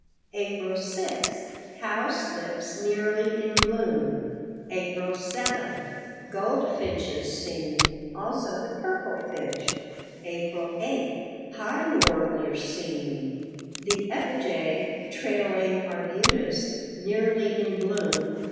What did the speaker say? April 6 Cowslips nearly in bloom. April 7 Gold finches seen; also the purple finch. April 8 Pine warbler seen. The epigæa (trailing arbutus) nearly in bloom.